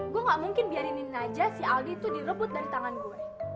gue gak mungkin biarinin aja si aldi itu direbut dari tangan gue